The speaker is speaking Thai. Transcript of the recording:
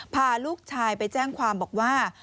พาลูกชายไปแจ้งความบอกว่า